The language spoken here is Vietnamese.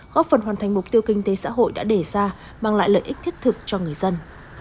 góp phần hoàn thành mục tiêu kinh tế xã hội đã đề ra mang lại lợi ích thiết thực cho người dân